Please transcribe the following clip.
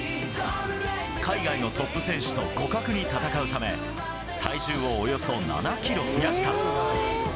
海外のトップ選手と互角に戦うため、体重をおよそ７キロ増やした。